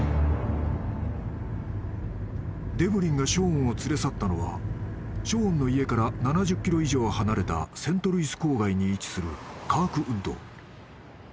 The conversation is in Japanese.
［デブリンがショーンを連れ去ったのはショーンの家から７０ｋｍ以上離れたセントルイス郊外に位置するカークウッド］